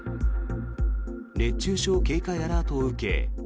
熱中症警戒アラートを受け